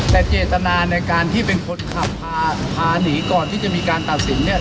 แต่เจตนาในการที่เป็นคนขับพาพาหนีก่อนที่จะมีการตัดสินเนี่ย